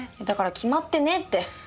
だから決まってねぇって。